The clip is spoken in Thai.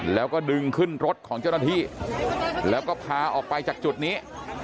แล้วก็ดึงขึ้นรถของเจ้าหน้าที่แล้วก็พาออกไปจากจุดนี้